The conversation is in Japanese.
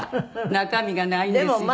中身がないんですよ。